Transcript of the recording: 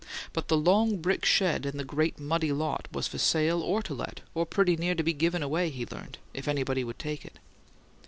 But the long brick shed in the great muddy lot was for sale or to let, or "pretty near to be given away," he learned, if anybody would take it.